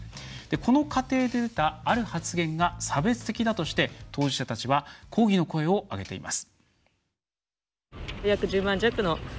この過程で出た、ある発言が差別的だとして、当事者たちは抗議の声を上げています。